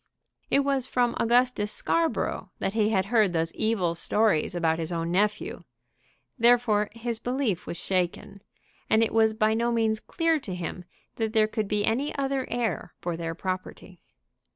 It was from Augustus Scarborough that he had heard those evil stories about his own nephew. Therefore his belief was shaken; and it was by no means clear to him that there could be any other heir for their property.